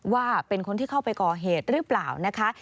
ว่าเป็นคนที่เข้าไปก่อเหตุหรือเปล่านะคะ